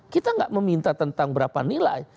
kita tidak meminta tentang berapa nilai